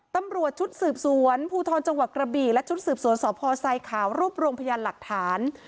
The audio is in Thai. ตำรวจชุดสืบสวนภูทรจังหวัดกระบี่และชุดสืบสวนสพทรายขาวรวบรวมพยานหลักฐาน